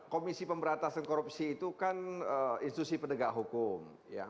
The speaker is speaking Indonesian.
komisi pemberantasan korupsi itu kan institusi penegak hukum